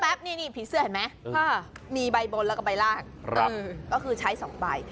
นี่ผีเสื้อเห็นไหมมีใบบนแล้วก็ใบลากก็คือใช้๒ใบ